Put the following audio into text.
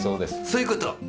そういうこと！